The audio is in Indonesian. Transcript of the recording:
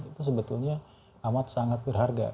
itu sebetulnya amat sangat berharga